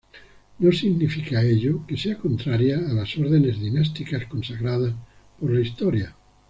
No significa ello que sea contraria a las órdenes dinásticas consagradas por la historia.